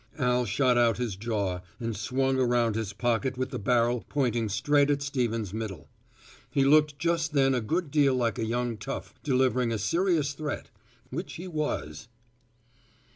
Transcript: Al shot out his jaw and swung around his pocket with the barrel pointing straight at Stevens' middle. He looked just then a good deal like a young tough delivering a serious threat, which he was.